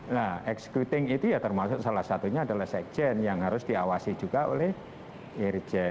nah executing itu ya termasuk salah satunya adalah sekjen yang harus diawasi juga oleh irjen